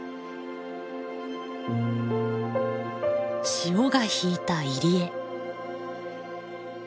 潮が引いた入り江。